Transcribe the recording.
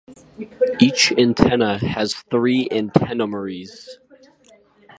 Each antenna has three antennomeres (segments).